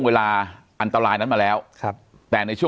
สวัสดีครับทุกผู้ชม